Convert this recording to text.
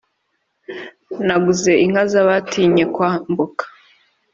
Naguze inka z' abatinye kwambuka !